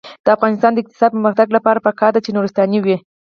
د افغانستان د اقتصادي پرمختګ لپاره پکار ده چې نورستاني وي.